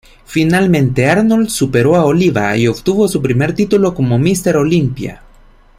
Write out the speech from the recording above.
Finalmente Arnold superó a Oliva y obtuvo su primer título como Mister Olympia.